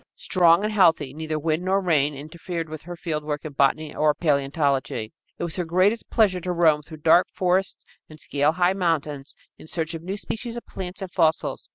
Strong and healthy, neither wind nor rain interfered with her fieldwork in botany or paleontology. It was her greatest pleasure to roam through dark forests and scale high mountains in search of new species of plants and fossils.